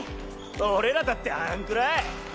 俺らだってあんくらい！